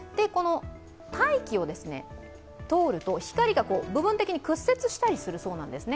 大気を通ると光が部分的に屈折したりするそうなんですね。